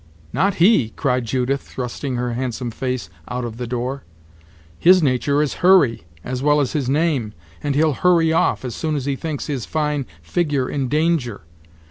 "Not he," cried Judith, thrusting her handsome face out of the door; "his nature is hurry, as well as his name, and he'll hurry off, as soon as he thinks his fine figure in danger.